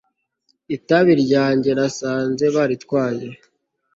itabi ryanjye nasanze baritwaye